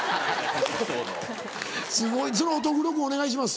すごいその乙黒君お願いします。